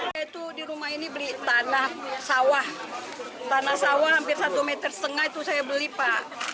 saya tuh di rumah ini beli tanah sawah tanah sawah hampir satu meter setengah itu saya beli pak